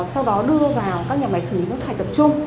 sau đó đưa vào các nhà máy xử lý nước thải tập trung